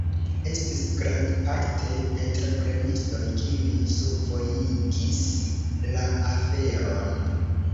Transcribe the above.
Estis grandparte entreprenistoj, kiuj survojigis la aferon.